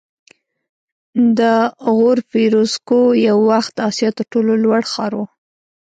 د غور فیروزکوه یو وخت د اسیا تر ټولو لوړ ښار و